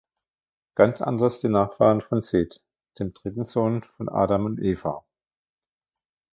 Ganz anders die Nachfahren von Seth, dem dritten Sohn von Adam und Eva.